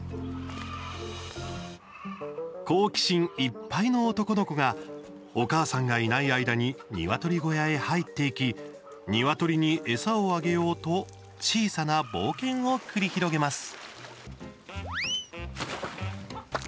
好奇心いっぱいの男の子がお母さんがいない間ににわとり小屋へ入っていきにわとりに餌をあげようと小さな冒険を繰り広げます。